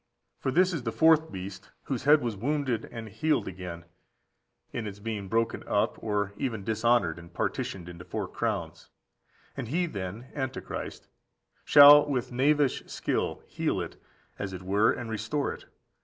For this is the fourth beast, whose head was wounded and healed again, in its being broken up or even dishonoured, and partitioned into four crowns; and he then (Antichrist) shall with knavish skill heal it, as it were, and restore it.